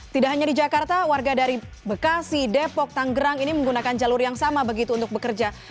tidak hanya di jakarta warga dari bekasi depok tanggerang ini menggunakan jalur yang sama begitu untuk bekerja